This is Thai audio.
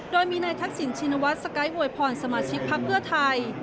โดยมีนายทักษิณชินวัฒน์สกายอวยพรสมาชิกพักเพื่อไทย